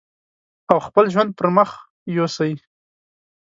او خپل ژوند پرې پرمخ يوسي.